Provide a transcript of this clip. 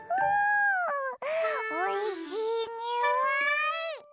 おいしいにおい！